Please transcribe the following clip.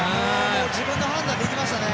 自分の判断でいきましたね。